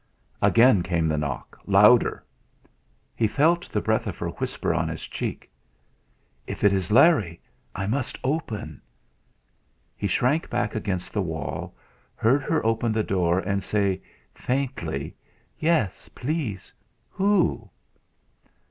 Again came the knock, louder! He felt the breath of her whisper on his cheek: "If it is Larry! I must open." He shrank back against the wall; heard her open the door and say faintly: "Yes. Please! Who?"